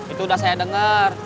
itu udah saya denger